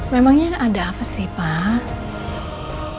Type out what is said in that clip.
memangnya ada apa sih pak